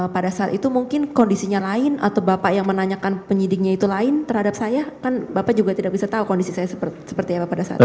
pada saat itu mungkin kondisinya lain atau bapak yang menanyakan penyidiknya itu lain terhadap saya kan bapak juga tidak bisa tahu kondisi saya seperti apa pada saat itu